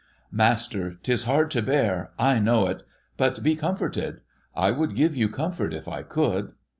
' Master, 'tis hard to bear — I know it — but be comforted. I would give you comfort, if I could.'